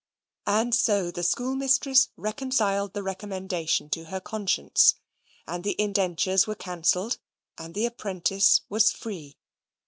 And so the schoolmistress reconciled the recommendation to her conscience, and the indentures were cancelled, and the apprentice was free.